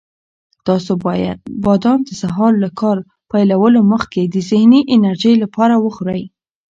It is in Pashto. تاسو باید بادام د سهار له کار پیلولو مخکې د ذهني انرژۍ لپاره وخورئ.